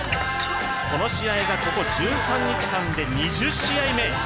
この試合がここ１３日間で２０試合目。